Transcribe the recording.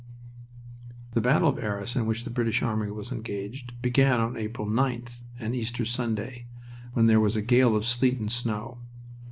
The battle of Arras, in which the British army was engaged, began on April 9th, an Easter Sunday, when there was a gale of sleet and snow.